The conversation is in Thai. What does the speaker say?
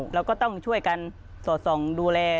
เราก็ต้องช่วยกันสอดส่องดูแล